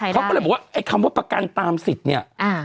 เขาก็เลยบอกว่าคำว่าประกันตามสิทธิ์